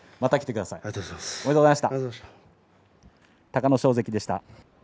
隆の勝関でした。